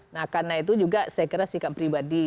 jawa barat juga saya kira sikap pribadi